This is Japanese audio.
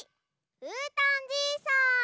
うーたんじいさん。